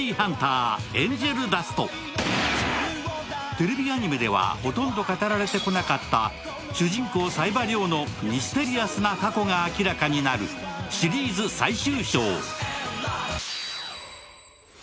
テレビアニメではほとんど語られてこなかった主人公・冴羽りょうのミステリアスな過去が明らかになるシリーズ最終章。